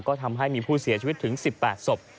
ก็ทำให้มีผู้เสียชีวิตถึง๑๘ศพ